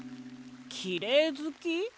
きれいずき？